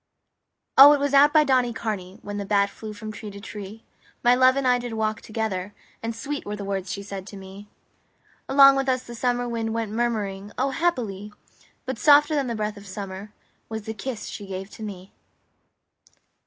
XXXI O, it was out by Donnycarney When the bat flew from tree to tree My love and I did walk together; And sweet were the words she said to me. Along with us the summer wind Went murmuring O, happily! But softer than the breath of summer Was the kiss she gave to me.